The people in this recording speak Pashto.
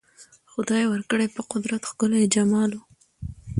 خدای ورکړی په قدرت ښکلی جمال وو